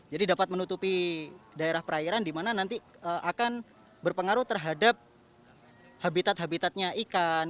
jadi dapat menutupi daerah perairan di mana nanti akan berpengaruh terhadap habitat habitatnya ikan